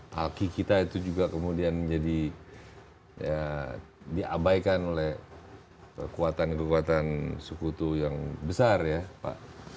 halki kita itu juga kemudian jadi diabaikan oleh kekuatan kekuatan suku itu yang besar ya